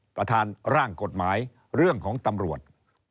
ประธานร่างกฎหมายเรื่องของตำรวจ